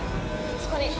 そこに。